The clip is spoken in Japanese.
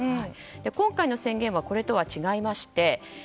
今回の宣言はこれとは違いましてＢＡ．